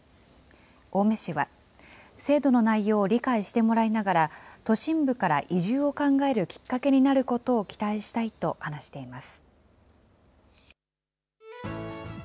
青梅市は、制度の内容を理解してもらいながら、都心部から移住を考えるきっかけになることを期待したいと話しています。